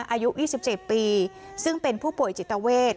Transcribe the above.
อายุ๒๗ปีซึ่งเป็นผู้ป่วยจิตเวท